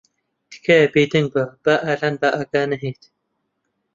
تکایە بێدەنگ بە با ئالان بە ئاگا نەھێنیت.